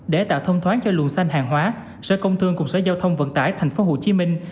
để tạo thông thoáng cho luồng xanh hàng hóa sở công thương cùng sở giao thông vận tải thành phố hồ chí minh